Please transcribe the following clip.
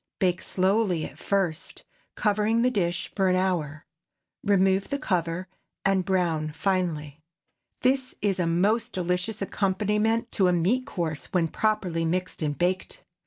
Bake slowly at first, covering the dish, for an hour. Remove the cover, and brown finely. This is a most delicious accompaniment to a meat course, when properly mixed and baked.